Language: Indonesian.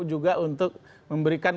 juga untuk memberikan